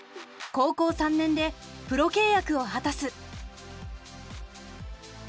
高校３年でプロ契約を果たす。